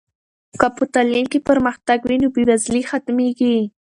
که په تعلیم کې پرمختګ وي نو بې وزلي ختمېږي.